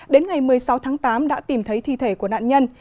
đến ngày một mươi sáu tháng tám đã tìm thấy thi thể của nạn nhân